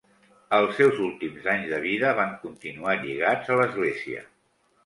Els seus últims anys de vida van continuar lligats a l’església.